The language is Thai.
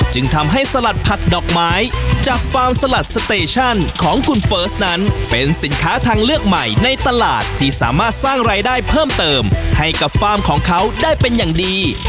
จึงทำให้สลัดผักดอกไม้จากฟาร์มสลัดสเตชั่นของคุณเฟิร์สนั้นเป็นสินค้าทางเลือกใหม่ในตลาดที่สามารถสร้างรายได้เพิ่มเติมให้กับฟาร์มของเขาได้เป็นอย่างดี